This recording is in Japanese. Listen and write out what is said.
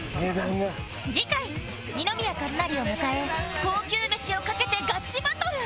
次回二宮和也を迎え高級メシを賭けてガチバトル！